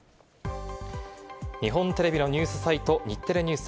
日本テレビのニュースサイト、日テレＮＥＷＳ。